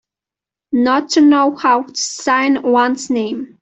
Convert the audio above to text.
Not to know how to sign one's name.